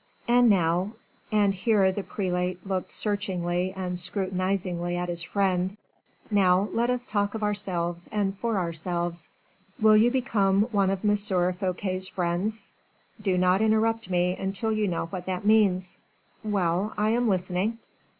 "And now" and here the prelate looked searchingly and scrutinizingly at his friend "now let us talk of ourselves and for ourselves; will you become one of M. Fouquet's friends? Do not interrupt me until you know what that means." "Well, I am listening."